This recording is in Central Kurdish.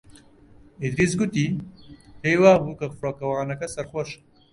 ئیدریس گوتی پێی وا بوو کە فڕۆکەوانەکە سەرخۆشە.